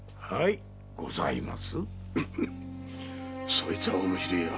そいつは面白ぇや。